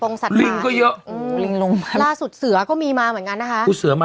อ้อนหลิงลิงก็เยอะ